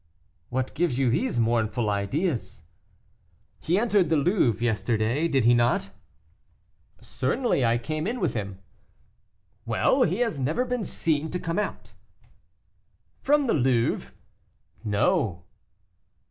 "What gives you these mournful ideas?" "He entered the Louvre yesterday, did he not?" "Certainly; I came in with him." "Well! he has never been seen to come out." "From the Louvre?" "No."